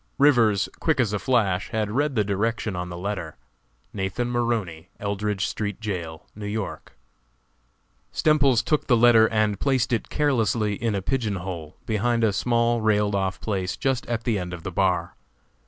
Rivers, quick as a flash, had read the direction on the letter: "Nathan Maroney, Eldridge Street Jail, New York." Stemples took the letter and placed it carelessly in a pigeon hole, behind a small, railed off place just at the end of the bar.